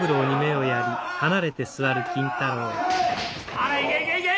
おいけいけいけ！